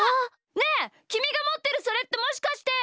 ねえきみがもってるそれってもしかして！